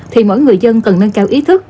thì mỗi người dân cần nâng cao ý thức